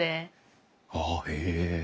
あっへえ。